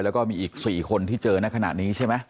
แล้วก็มีอีก๔คนที่เจอในขณะนี้ใช่ไหม